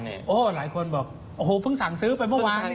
โอ้โหหลายคนบอกโอ้โหเพิ่งสั่งซื้อไปเมื่อวาน